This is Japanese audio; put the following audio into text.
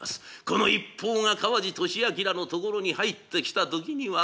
この一報が川路聖謨のところに入ってきた時には。